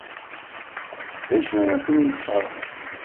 D acu ara ken-yesferḥen?